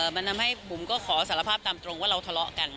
มันทำให้บุ๋มก็ขอสารภาพตามตรงว่าเราทะเลาะกัน